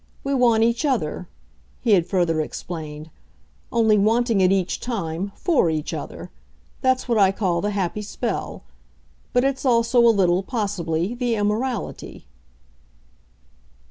We want each other," he had further explained; "only wanting it, each time, FOR each other. That's what I call the happy spell; but it's also, a little, possibly, the immorality."